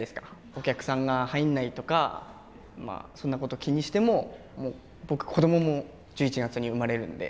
お客さんが入んないとかそんなこと気にしても僕子どもも１１月に生まれるんで。